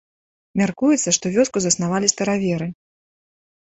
Мяркуецца, што вёску заснавалі стараверы.